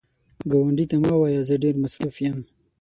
ګاونډي ته مه وایه “زه ډېر مصروف یم”